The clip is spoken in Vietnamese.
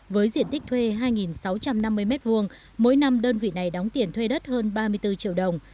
với diện tích thuê hai sáu trăm năm mươi m hai mỗi năm đơn vị này đóng tiền thuê đất hơn ba mươi bốn triệu đồng